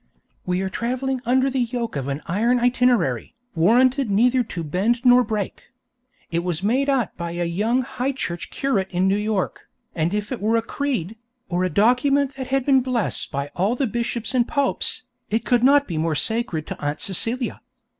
We are travelling under the yoke of an iron itinerary, warranted neither to bend nor break. It was made out by a young High Church curate in New York, and if it were a creed, or a document that had been blessed by all the bishops and popes, it could not be more sacred to Aunt Celia.